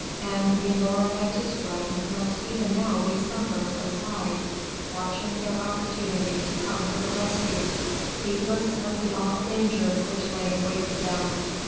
and milor and his friend must even now be somewhere close by, watching their opportunity to come to her rescue ... heedless of the awful danger which lay in wait for them